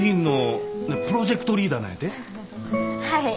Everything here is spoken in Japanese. はい。